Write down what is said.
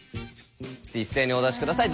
一斉にお出し下さい。